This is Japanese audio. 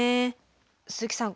鈴木さん